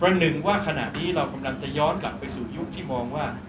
หนึ่งว่าขณะนี้เรากำลังจะย้อนกลับไปสู่ยุคที่มองว่า